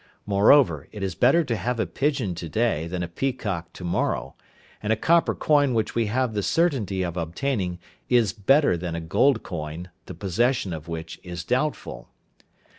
Moreover, it is better to have a pigeon to day than a peacock to morrow; and a copper coin which we have the certainty of obtaining, is better than a gold coin, the possession of which is doubtful.